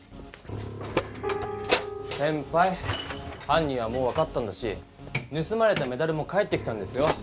はん人はもう分かったんだしぬすまれたメダルも返ってきたんですよ。